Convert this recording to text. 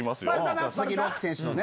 佐々木朗希選手のね。